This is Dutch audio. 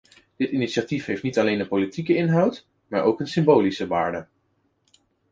Dit initiatief heeft niet alleen een politieke inhoud maar ook een symbolische waarde.